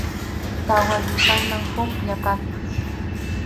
Tawa yupayman huk yapasqa.